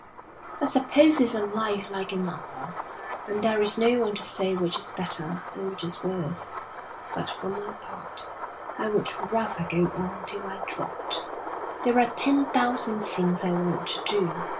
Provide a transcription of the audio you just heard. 'I suppose it's a life like another, and there is no one to say which is better and which is worse. But, for my part, I would rather go on till I dropped. There are ten thousand things I want to do.